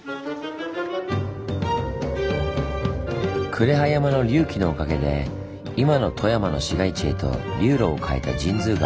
呉羽山の隆起のおかげで今の富山の市街地へと流路を変えた神通川。